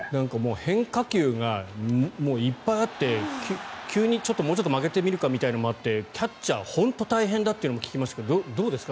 変化球がもういっぱいあって急にもうちょっと曲げてみるかっていうのもあってキャッチャーは本当に大変だというのも聞きましたけどどうですか？